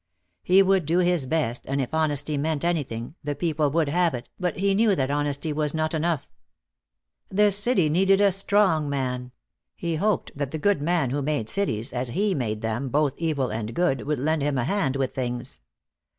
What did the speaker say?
He would do his best, and if honesty meant anything, the people would have it, but he knew that honesty was not enough. The city needed a strong man; he hoped that the Good Man who made cities as He made men, both evil and good, would lend him a hand with things.